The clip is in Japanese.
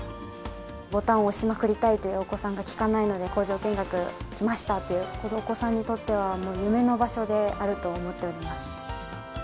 ボタン押しまくりたいというお子さんが聞かないので、工場見学来ましたっていう、お子さんにとっては、もう夢の場所であると思っております。